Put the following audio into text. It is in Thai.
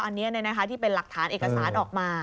อันนี้เนี่ยนะคะที่เป็นหลักฐานเอกสารออกมา